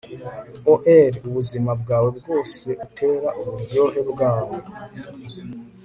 o'er ubuzima bwawe bwose utera uburyohe bwabo